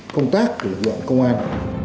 phong tác của huyện công an